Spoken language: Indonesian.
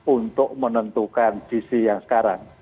untuk menentukan sisi yang sekarang